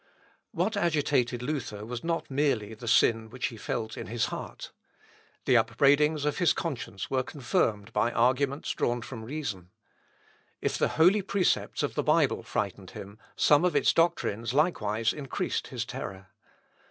What agitated Luther was not merely the sin which he felt in his heart. The upbraidings of his conscience were confirmed by arguments drawn from reason. If the holy precepts of the Bible frightened him, some of its doctrines likewise increased his terror.